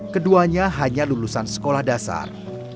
keduanya hanya lulusan sekolah dasar